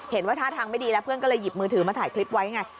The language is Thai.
เห็นว่าท่าทางไม่ดีแล้วเพื่อนก็เลยหยิบมือถือมาถ่ายคลิปไว้ไง